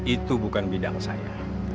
itu bukan bidang saya